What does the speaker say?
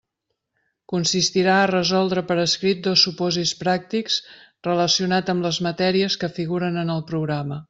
Consistirà a resoldre per escrit dos supòsits pràctics relacionats amb les matèries que figuren en el programa.